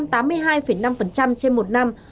trên một năm